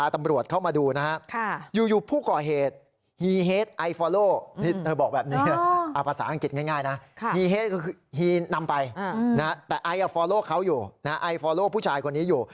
แต่ไอฟอร์โลเขาอยู่ไอฟอร์โลผู้ชายคนนี้อยู่